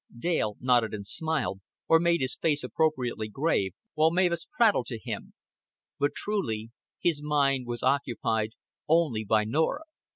Dale nodded and smiled, or made his face appropriately grave, while Mavis prattled to him; but truly his mind was occupied only by Norah.